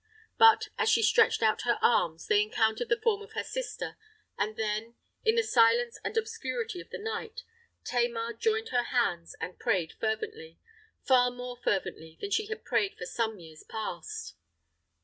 But, as she stretched out her arms, they encountered the form of her sister; and then—in the silence and obscurity of the night—Tamar joined her hands and prayed fervently,—far, far more fervently than she had prayed for some years past!